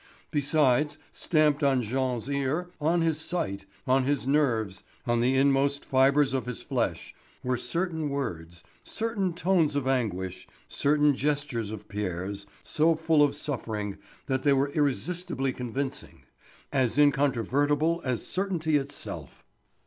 Besides, stamped on Jean's ear, on his sight, on his nerves, on the inmost fibres of his flesh, were certain words, certain tones of anguish, certain gestures of Pierre's, so full of suffering that they were irresistibly convincing; as incontrovertible as certainty itself.